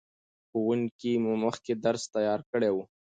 ښوونکي مخکې درس تیار کړی و.